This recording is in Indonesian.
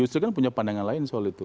justru kan punya pandangan lain soal itu